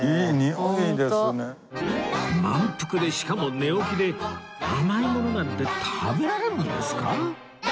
満腹でしかも寝起きで甘いものなんて食べられるんですか？